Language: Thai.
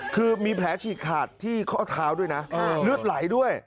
คือมีแผลฉีกขาดที่ข้อเท้าด้วยนะเลือดไหลด้วย